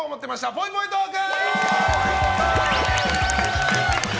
ぽいぽいトーク！